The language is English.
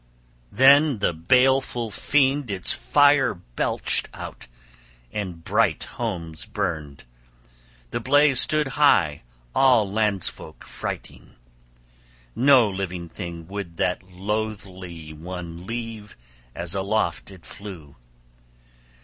XXXI THEN the baleful fiend its fire belched out, and bright homes burned. The blaze stood high all landsfolk frighting. No living thing would that loathly one leave as aloft it flew.